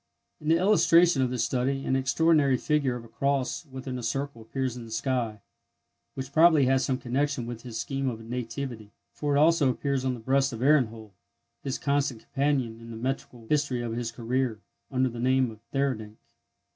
In the illustration of this study an extraordinary figure of a cross within a circle appears in the sky, which probably has some connection with his scheme of nativity, for it also appears on the breast of Ehrenhold, his constant companion in the metrical history of his career, under the name of Theurdank.